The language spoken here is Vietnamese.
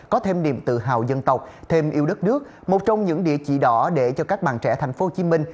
có thêm niềm tự hào dân tộc thêm yêu đất nước một trong những địa chỉ đỏ để cho các bạn trẻ thành phố hồ chí minh